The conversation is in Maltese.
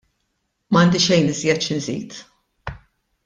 M'għandi xejn iżjed xi nżid.